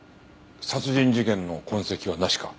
殺人事件の痕跡はなしか？